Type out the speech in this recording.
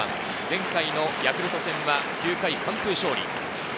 前回のヤクルト戦は９回完封勝利。